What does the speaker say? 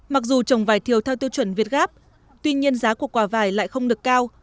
mặc dù trồng vải thiêu theo tiêu chuẩn việt gáp tuy nhiên giá của quả vải lại không được cao